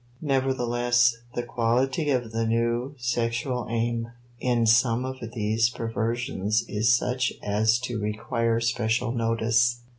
Nevertheless, the quality of the new sexual aim in some of these perversions is such as to require special notice.